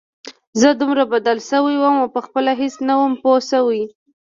زه دومره بدل سوى وم او پخپله هېڅ نه وم پوه سوى.